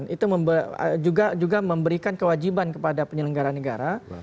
itu juga memberikan kewajiban kepada penyelenggara negara